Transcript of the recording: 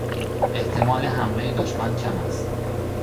احتمال حملهی دشمن کم است.